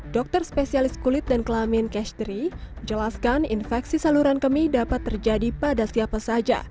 dokter spesialis kulit dan kelamin cashteri menjelaskan infeksi saluran kemih dapat terjadi pada siapa saja